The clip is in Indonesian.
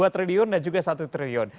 dua triliun dan juga satu triliun